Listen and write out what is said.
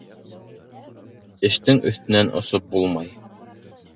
Эштең өҫтөнән осоп булмай.